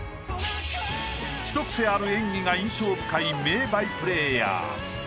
ひと癖ある演技が印象深い名バイプレーヤー。